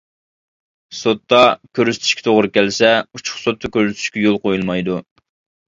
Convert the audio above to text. سوتتا كۆرسىتىشكە توغرا كەلسە، ئوچۇق سوتتا كۆرسىتىشكە يول قويۇلمايدۇ.